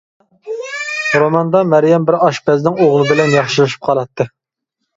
روماندا مەريەم بىر ئاشپەزنىڭ ئوغلى بىلەن ياخشىلىشىپ قالاتتى.